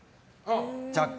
若干。